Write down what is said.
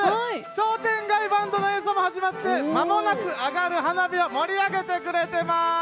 商店街バンドの演奏も始まって、まもなく上がる花火を盛り上げてくれています。